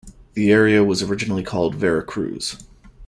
The area was originally called Vera Cruz.